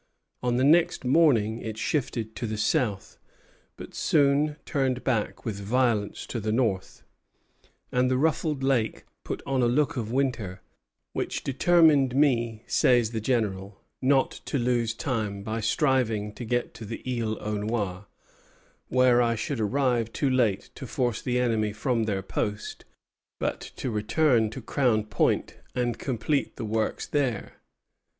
On the next morning it shifted to the south, but soon turned back with violence to the north, and the ruffled lake put on a look of winter, "which determined me," says the General, "not to lose time by striving to get to the Isle aux Noix, where I should arrive too late to force the enemy from their post, but to return to Crown Point and complete the works there."